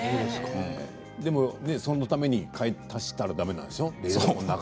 でもそのために足したらいけないんでしょう？